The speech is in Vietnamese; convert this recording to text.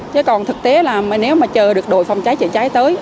chứ còn thực tế là nếu mà chờ được đội phòng cháy chữa cháy tới